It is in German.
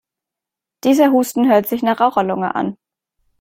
Dieser Husten hört sich nach Raucherlunge an.